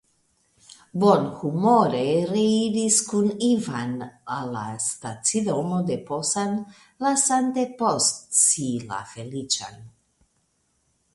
Bonhumore reiris kun Ivan al la stacidomo de Posen, lasante post si la feliĉan.